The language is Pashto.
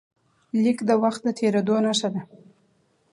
لیک د وخت د تېرېدو نښه ده.